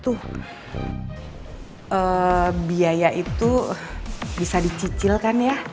tuh biaya itu bisa dicicilkan ya